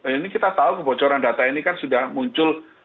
ini kita tahu kebocoran data ini kan sudah muncul